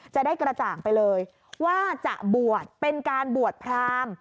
จะได้กระจ่างไปเลยว่าจะบวชเป็นการบวชพราม